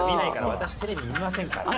私テレビ見ませんから」。